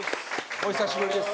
お久しぶりです。